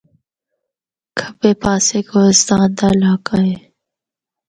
کَھبے پاسے کوہستان دا علاقہ اے۔